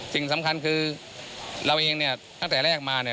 สิ่งสำคัญคือเราเองเนี่ยตั้งแต่แรกมาเนี่ย